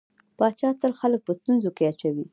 پاچا تل خلک په ستونزو کې اچوي.